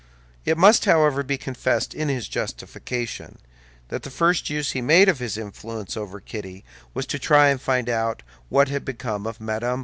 It must, however, be confessed in his justification that the first use he made of his influence over Kitty was to try and find out what had become of Mme.